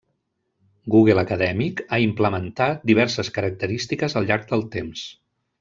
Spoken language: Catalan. Google Acadèmic ha implementat diverses característiques al llarg del temps.